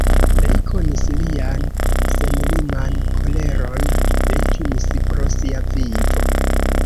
Li konis lian senliman koleron, li timis pro sia vivo.